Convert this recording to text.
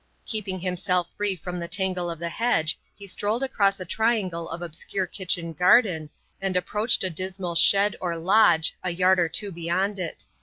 Keeping himself free from the tangle of the hedge he strolled across a triangle of obscure kitchen garden, and approached a dismal shed or lodge a yard or two beyond it.